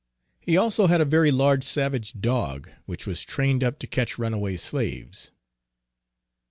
He also had a very large savage dog, which was trained up to catch runaway slaves.